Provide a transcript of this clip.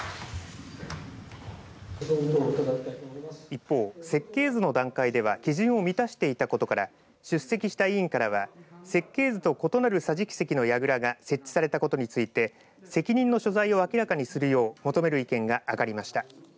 一方、設計図の段階では基準を満たしていたことから出席した委員からは設計図と異なる桟敷席のやぐらが設置されたことについて責任の所在を明らかにするよう求める意見が上がりました。